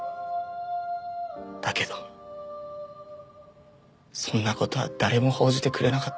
だけどそんな事は誰も報じてくれなかった。